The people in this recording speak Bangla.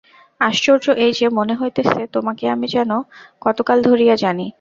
আশ্চর্য এই যে, মনে হইতেছে, তোমাকে আমি যেন কতকাল ধরিয়া জানি।